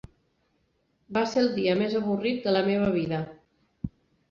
Va ser el dia més avorrit de la meva vida!